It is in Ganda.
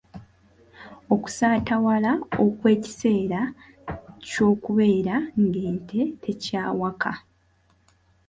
Okusaatawala okw’ekiseera ky’okubeera ng’ente tekyawaka.